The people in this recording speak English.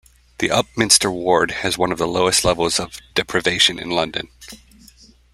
The Upminster ward has one of the lowest levels of deprivation in London.